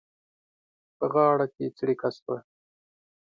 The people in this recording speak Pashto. په غاړه کې څړيکه شوه.